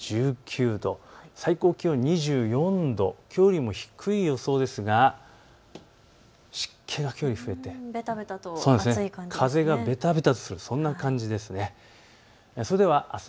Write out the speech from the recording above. １９度、最高気温２４度、きょうよりも低い予想ですが湿気がきょうより増えて風がべたべたとするそんな感じです。